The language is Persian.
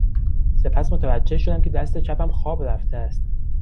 سپس متوجه شدم که دست چپم خواب رفته است.